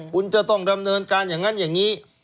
คุณจะต้องดำเนินการอย่างนั้นอย่างนี้